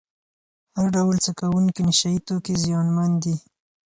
هر ډول څکونکي نشه یې توکي زیانمن دي.